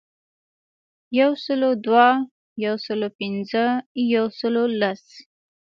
یو سلو دوه، یو سلو پنځه ،یو سلو لس .